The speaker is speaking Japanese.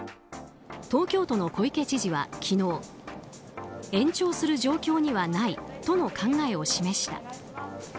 東京都の小池知事は昨日延長する状況にはないとの考えを示した。